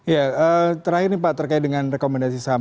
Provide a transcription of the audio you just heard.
ya terakhir nih pak terkait dengan rekomendasi saham